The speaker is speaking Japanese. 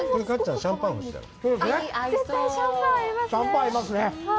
シャンパン、合いますね。